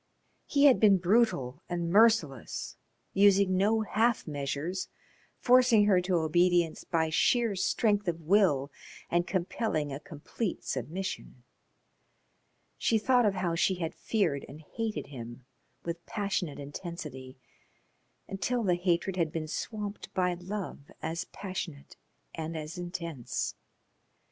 He had been brutal and merciless, using no half measures, forcing her to obedience by sheer strength of will and compelling a complete submission. She thought of how she had feared and hated him with passionate intensity, until the hatred had been swamped by love as passionate and as intense.